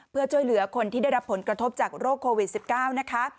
เพื่อช่วยเหลือคนที่ได้รับผลกระทบจากโรคโควิด๑๙นะคะ